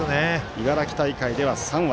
茨城大会では３割。